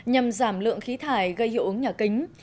nhằm giảm lượng khí thải gây hiệu ứng nhà kính